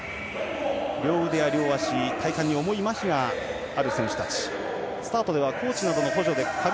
両腕や両足体幹に重いまひがあるような選手。